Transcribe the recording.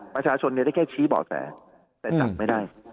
ประชาชนได้แค่ชี้บ่อแสแต่จับไม่ได้